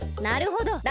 なるほど！